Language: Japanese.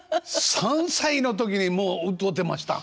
３歳の時にもう歌うてましたん？